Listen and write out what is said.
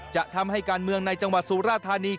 จะทำให้การเมืองในจังหวัดสุราธานี